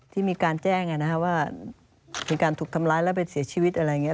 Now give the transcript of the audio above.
ที่มีการแจ้งว่ามีการถูกทำร้ายแล้วไปเสียชีวิตอะไรอย่างนี้